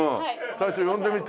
大将呼んでみて。